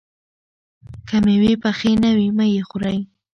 که مېوې پخې نه وي، مه یې خورئ.